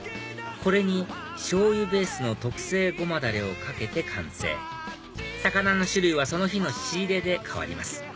これに醤油ベースの特製ごまダレをかけて完成魚の種類はその日の仕入れで変わります